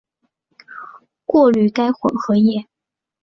过滤该混合液。